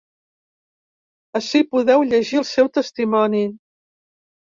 Ací podeu llegir el seu testimoni.